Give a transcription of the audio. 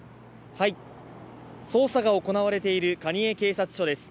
捜査が行われている蟹江警察署です。